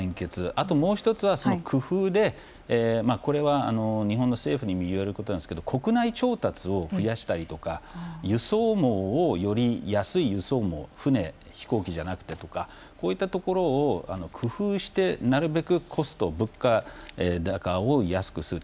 あともう１つは工夫でこれは日本の政府にも言えることですが国内調達を増やしたりとか輸送網をより安い輸送網船、飛行機じゃなくてとかこういったところを工夫してなるべくコスト、物価高を安くする。